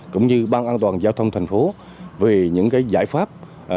cũng như bang an toàn giao thông thành phố về những cái giải pháp